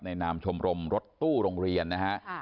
นามชมรมรถตู้โรงเรียนนะฮะ